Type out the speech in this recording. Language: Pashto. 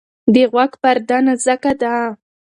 د غوږ پرده نازکه ده.